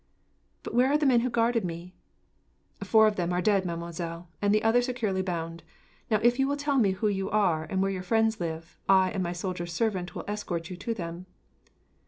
"But where are the men who guarded me?" "Four of them are dead, mademoiselle, and the other securely bound. Now, if you will tell me who you are, and where your friends live, I and my soldier servant will escort you to them."